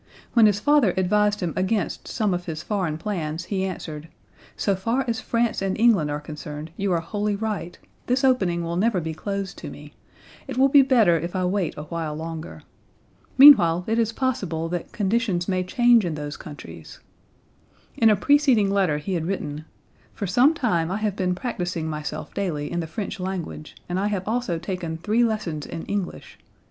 When his father advised him against some of his foreign plans he answered: "So far as France and England are concerned you are wholly right; this opening will never be closed to me; it will be better if I wait a while longer. Meanwhile it is possible that conditions may change in those countries." In a preceding letter he had written: "For some time I have been practicing myself daily in the French language, and I have also taken three lessons in English.